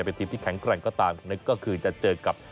เราทรงมาแล้วนะครับ